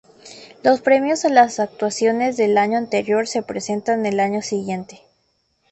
Los premios a las actuaciones del año anterior se presentan el año siguiente.